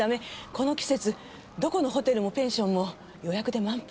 この季節どこのホテルもペンションも予約で満杯。